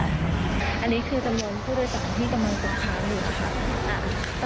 อันนี้คือจำนวนผู้โดยสารที่กำลังตกค้างอยู่ค่ะ